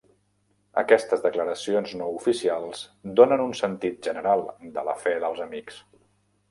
Aquestes declaracions no oficials donen un sentit general de la fe dels Amics.